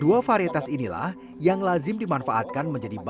dua varietas inilah yang lazim dimanfaatkan menjadi aloe vera